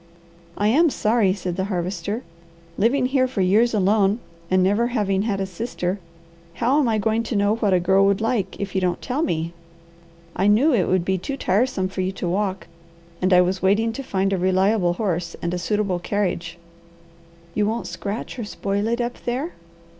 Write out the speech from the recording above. "I am sorry," said the Harvester. "Living here for years alone and never having had a sister, how am I going to know what a girl would like if you don't tell me? I knew it would be too tiresome for you to walk, and I was waiting to find a reliable horse and a suitable carriage." "You won't scratch or spoil it up there?"